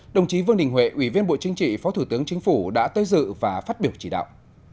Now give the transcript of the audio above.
đồng chí vương đình huệ ủy viên bộ chính trị phó thủ tướng chính phủ đã tới dự và phát biểu chỉ đạo